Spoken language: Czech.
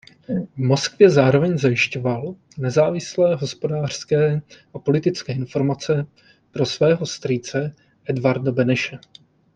V Moskvě zároveň zajišťoval nezávislé hospodářské a politické informace pro svého strýce Edvarda Beneše.